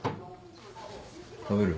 食べる？